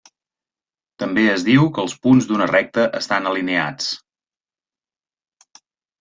També es diu que els punts d'una recta estan alineats.